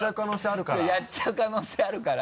やっちゃう可能性あるから。